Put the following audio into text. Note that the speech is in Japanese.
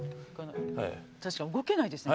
確かに動けないですね。